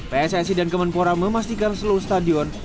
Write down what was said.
pssi dan kemenpora memastikan seluruh stadion